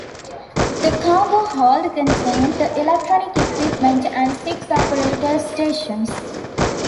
The cargo hold contained the electronic equipment and six operators stations.